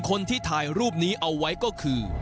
คนที่ถ่ายรูปนี้เอาไว้ก็คือ